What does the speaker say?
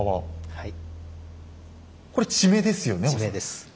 はい。